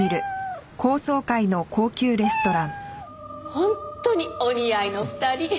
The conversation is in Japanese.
本当にお似合いの２人。